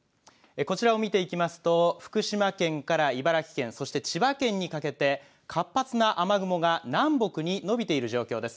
こちら見ていきますと福島県から茨城県そして千葉県にかけて活発な雨雲が南北に延びている状況です。